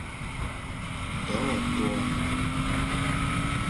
Dowoto a.